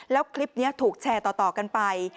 แล้วคลิปนี้ถูกแชร์ต่อกันไป